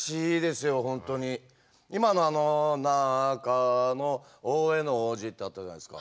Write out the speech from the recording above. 今のあの「中大兄皇子」ってあったじゃないですか。